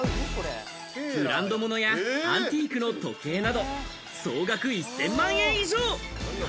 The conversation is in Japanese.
ブランド物やアンティークの時計など総額１０００万円以上。